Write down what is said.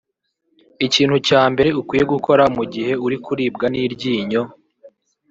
Ikintu cya mbere ukwiye gukora mu gihe uri kuribwa n’iryinyo